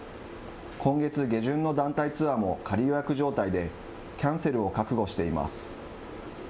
今月下旬の団体ツアーも仮予約状態で、キャンセルを覚悟しています。